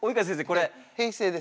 これ。